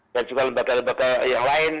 juga lembaga lembaga yang lain